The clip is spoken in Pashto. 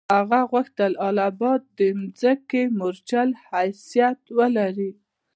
هغه غوښتل اله آباد د مخکني مورچل حیثیت ولري.